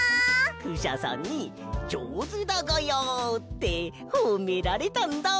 クシャさんに「じょうずだがや」ってほめられたんだ！